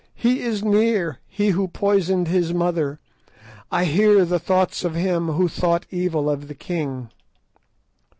"He is near, he who poisoned his mother!" "I hear the thoughts of him who thought evil of the king!"